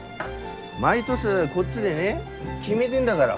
毎年こっちでね決めてんだがら。